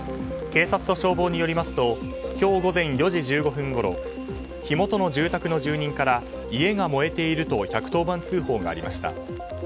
警察と消防によりますと今日午前４時１５分ごろ火元の住宅の住人から家が燃えていると１１０番通報がありました。